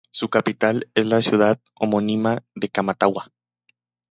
Su capital es la ciudad homónima de Camatagua.